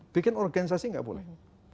bikin organisasi nggak boleh